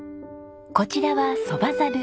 こちらはそばざる。